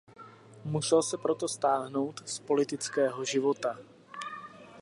Musel se proto stáhnout z politického života.